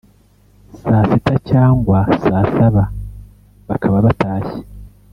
saa sita cyangwa saa saba bakaba batashye